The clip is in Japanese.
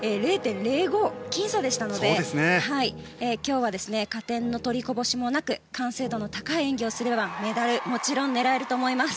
ときん差でしたので今日は加点の取りこぼしもなく完成度の高い演技をすればメダルもちろん狙えると思います。